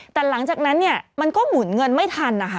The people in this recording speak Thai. แต่หลังจากนั้นมันก็หมุนเงินไม่ทัน